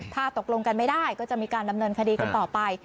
ถ้าตกลงกันไม่ได้ก็จะมีการดำเนินคดีกันต่อไป